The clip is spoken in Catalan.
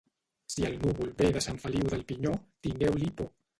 Si el núvol ve de Sant Feliu del Pinyó, tingueu-li por.